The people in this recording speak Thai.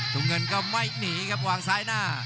เงินก็ไม่หนีครับวางซ้ายหน้า